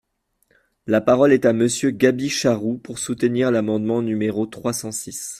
La parole est à Monsieur Gaby Charroux, pour soutenir l’amendement numéro trois cent six.